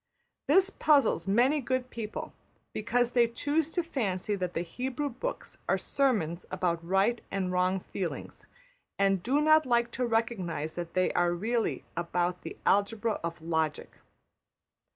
This puzzles many good people, because they choose to fancy that the Hebrew books are sermons about right and wrong feelings; and do not like to recognise that they are really about the algebra of logic.